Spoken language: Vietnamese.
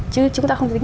chứ chúng ta không tính